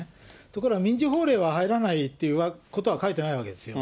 ところが、民事法例は入らないっていうことは書いてないわけですよ。